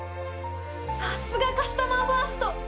さすがカスタマーファースト！